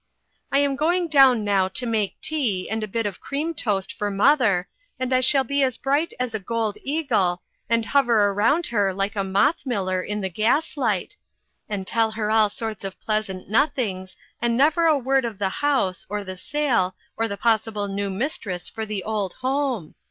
" I am going down now to make tea, and a bit of cream toast for mother, and I shall be as bright as a gold eagle, and hover around her like a moth miller in the gaslight, and tell her all sorts of pleasant nothings, and never a word of the house, or the sale, or the possible new mistress for the old home.